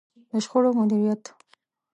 د شخړو مديريت.